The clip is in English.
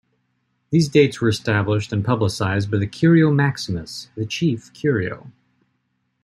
These dates were established and publicized by the "curio maximus", the chief "curio".